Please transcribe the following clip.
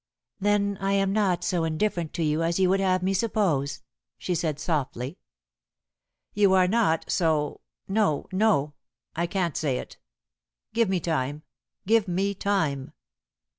"Then I am not so indifferent to you as you would have me suppose," she said softly. "You are not so no, no! I can't say it! Give me time! give me time!"